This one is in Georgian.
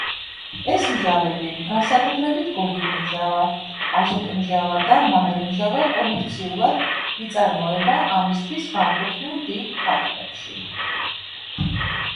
ეს მჟავები, განსაკუთრებით გოგირდმჟავა, აზოტმჟავა და მარილმჟავა, კომერციულად იწარმოება ამისთვის განკუთვნილ დიდ ქარხნებში.